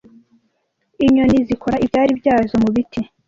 Inyoni zikora ibyari byazo mubiti.